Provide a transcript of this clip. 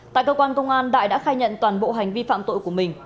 tại cơ quan công an đại đã khai nhận toàn bộ hành vi phạm tội của mình